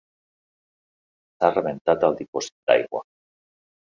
S'ha rebentat el dipòsit d'aigua.